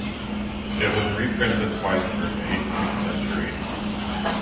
It was reprinted twice during the eighteenth century.